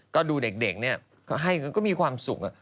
ก็ดูเด็กเนี่ยก็ให้ก็มีความสุข